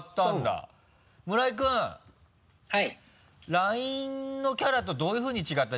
ＬＩＮＥのキャラとどういうふうに違った？